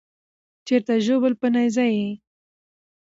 چیرته ژوبل په نېزه یې